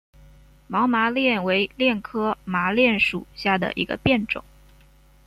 毛麻楝为楝科麻楝属下的一个变种。